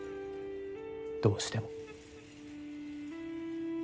どうしても。